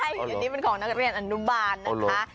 ในนี้คนนักเรียนอันดุบาลนะคะ